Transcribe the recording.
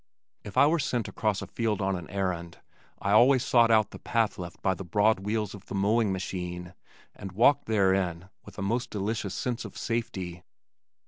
If I were sent across the field on an errand I always sought out the path left by the broad wheels of the mowing machine and walked therein with a most delicious sense of safety.